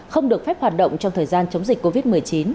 không được phép hoạt động trong thời gian chống dịch covid một mươi chín